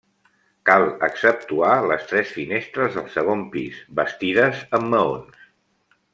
Cal exceptuar les tres finestres del segon pis, bastides amb maons.